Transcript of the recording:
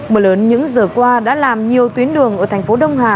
mưa lớn những giờ qua đã làm nhiều tuyến đường ở thành phố đông hà